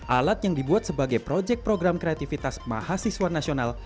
alat yang dibuat sebagai proyek program kreativitas mahasiswa nasional